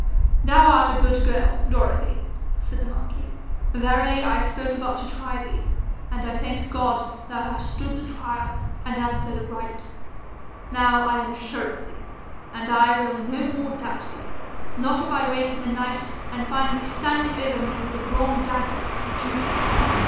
'Thou art a good girl, Dorothy,' said the marquis. 'Verily I spoke but to try thee, and I thank God thou hast stood the trial, and answered aright. Now am I sure of thee; and I will no more doubt thee not if I wake in the night and find thee standing over me with a drawn dagger like Judith.